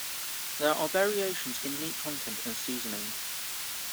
There are variations in meat content and seasoning.